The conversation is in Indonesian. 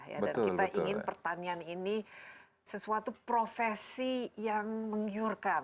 dan kita ingin pertanian ini sesuatu profesi yang menghyurkan